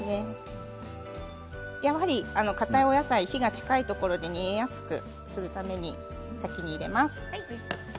やはり、かたいお野菜火が近いところに煮えやすくするために先に入れます。